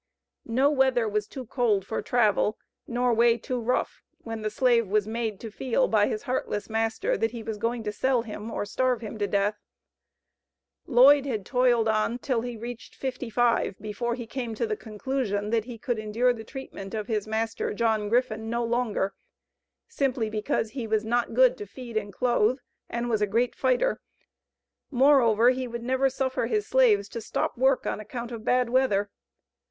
No weather was too cold for travel, nor way too rough, when the slave was made to feel by his heartless master, that he was going to sell him or starve him to death. Lloyd had toiled on until he had reached fifty five, before he came to the conclusion, that he could endure the treatment of his master, John Griffin, no longer, simply because "he was not good to feed and clothe," and was a "great fighter." Moreover, he would "never suffer his slaves to stop work on account of bad weather."